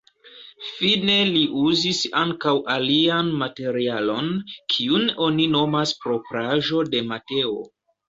Fine li uzis ankaŭ alian materialon, kiun oni nomas propraĵo de Mateo.